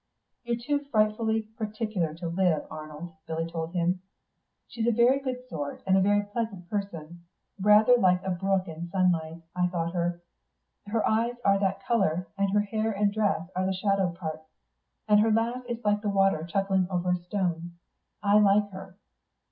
"You're too frightfully particular to live, Arnold," Billy told him. "She's a very good sort and a very pleasant person. Rather like a brook in sunlight, I thought her; her eyes are that colour, and her hair and dress are the shadowed parts, and her laugh is like the water chuckling over a stone. I like her."